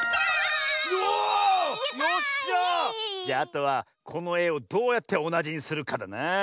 じゃあとはこのえをどうやっておなじにするかだな。